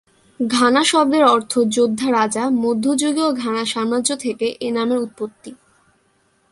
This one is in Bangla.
ঘানা শব্দের অর্থ "যোদ্ধা রাজা" মধ্যযুগীয় ঘানা সাম্রাজ্য থেকে এ নামের উৎপত্তি।